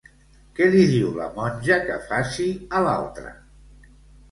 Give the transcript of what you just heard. Què li diu la monja que faci, a l'altre?